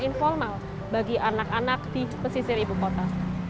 informal bagi anak anak di pesisir ibu kota